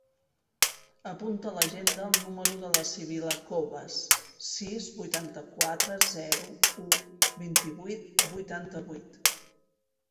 Apunta a l'agenda el número de la Sibil·la Cobas: sis, vuitanta-quatre, zero, u, vint-i-vuit, vuitanta-vuit.